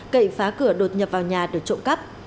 cậy phá cửa đột nhập vào nhà để trộm cắp